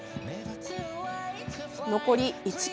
残り１ｋｍ。